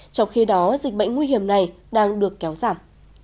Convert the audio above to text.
trong khi đó dịch bệnh nguy hiểm này đang được kéo giảm